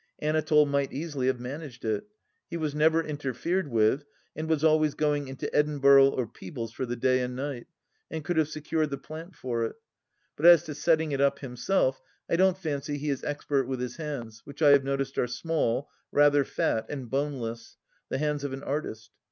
Anatole might easily have managed it. He was never interfered with, and was always going into Edinburgh or Peebles for the day and night, and could have secured the plant for it. But as to setting it up himself, I don't fancy he is expert with his hands, which I have noticed are small, rather fat, and boneless — ^the hands of an artist.